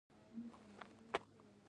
ایا چای ډیر څښئ؟